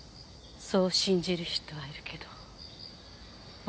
そう信じる人はいるけどおとぎ話ね。